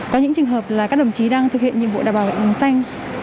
có những trường hợp là các đồng chí đang thực hiện nhiệm vụ đảm bảo vệ màu xanh